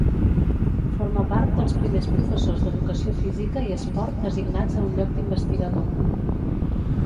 Forma part dels primers professors d'educació física i esport designats a un lloc d'investigador.